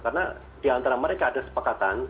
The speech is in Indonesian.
karena di antara mereka ada sepakatan